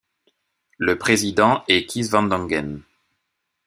Le président est Kees Van Dongen.